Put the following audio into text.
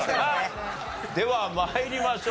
では参りましょう。